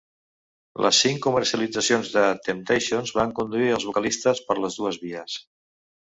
Les cinc comercialitzacions de Temptations van conduir als vocalistes per les dues vies.